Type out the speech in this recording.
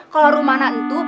kalau rumana itu